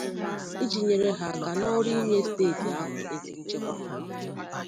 iji nyere ha aka n'ọrụ inye steeti ahụ ezi nchekwa.